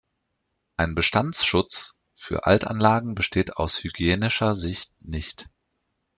Ein Bestandsschutz für Altanlagen besteht aus hygienischer Sicht nicht.